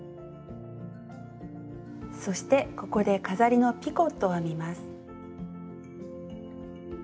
そしてここで飾りの「ピコット」を編みます。